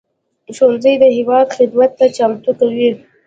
ښوونځی د هېواد خدمت ته چمتو کوي